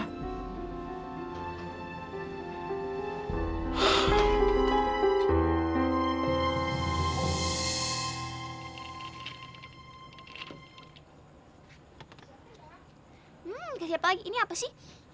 hmm gak siap lagi ini apa sih